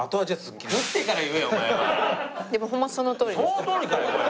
そのとおりかよ！